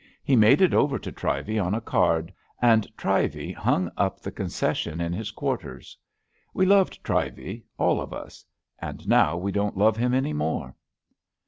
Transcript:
He made it over to Trivey on a card, and Trivey hung up the con cession in his quarters. We loved Trivey — ^all of us; and now we don't love him any more.